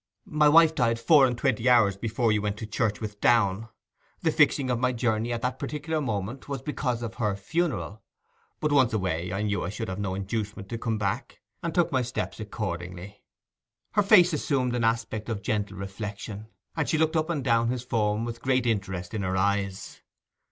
My wife died four and twenty hours before you went to church with Downe. The fixing of my journey at that particular moment was because of her funeral; but once away I knew I should have no inducement to come back, and took my steps accordingly.' Her face assumed an aspect of gentle reflection, and she looked up and down his form with great interest in her eyes.